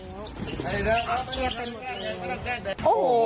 แทบจะเป็นที่สิงของลิงอยู่แล้ว